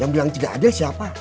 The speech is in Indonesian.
yang bilang tidak adil siapa